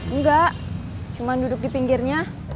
enggak cuma duduk di pinggirnya